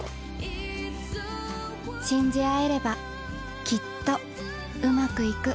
信じ合えればきっとウマくいく